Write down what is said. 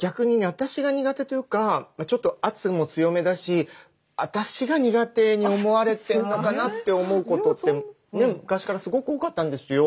私が苦手というかちょっと圧も強めだし私が苦手に思われてるのかなって思うことって昔からすごく多かったんですよ。